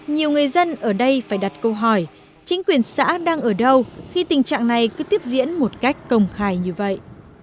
nhiều người dân ở đây phải đặt câu hỏi chính quyền xã đang ở đâu khi tình trạng này cứ tiếp diễn một cách công khai như vậy